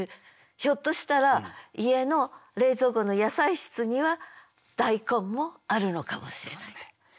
ひょっとしたら家の冷蔵庫の野菜室には大根もあるのかもしれない。